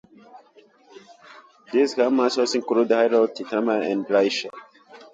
This "Chumash" also includes haftarot, Targum, and Rashi.